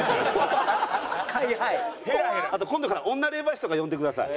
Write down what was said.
あと今度から女霊媒師とか呼んでください。